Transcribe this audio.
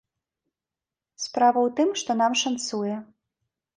Справа ў тым, што нам шанцуе.